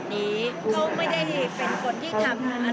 ทุกที่พักเข้าไปกับเขาเรื่อย